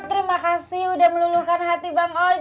terima kasih udah meluluhkan hati bang ojak